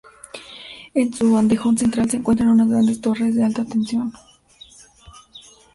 En su bandejón central se encuentran unas grandes torres de alta tensión.